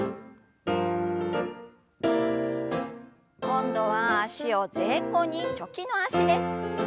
今度は脚を前後にチョキの脚です。